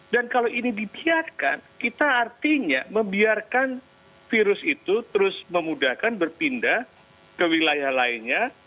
dan kalau ini dibiarkan kita artinya membiarkan virus itu terus memudahkan berpindah ke wilayah lainnya